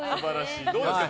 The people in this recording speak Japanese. どうですか？